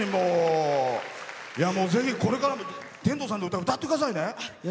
ぜひ、これからも天童さんの歌歌ってくださいね。